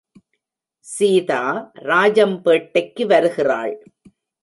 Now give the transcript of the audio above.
சீதா, ராஜம்பேட்டைக்கு வருகிறாள்.